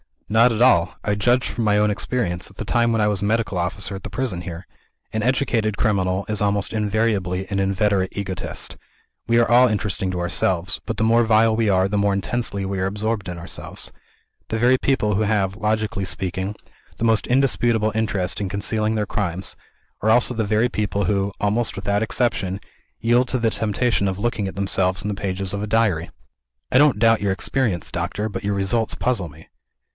"Not at all. I judged from my own experience, at the time when I was Medical Officer at the prison here. An educated criminal is almost invariably an inveterate egotist. We are all interesting to ourselves but the more vile we are, the more intensely we are absorbed in ourselves. The very people who have, logically speaking, the most indisputable interest in concealing their crimes, are also the very people who, almost without exception, yield to the temptation of looking at themselves in the pages of a Diary." "I don't doubt your experience, doctor. But your results puzzle me."